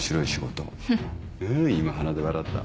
ん今鼻で笑った。